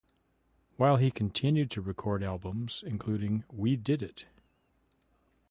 While he continued to record albums including We Did It!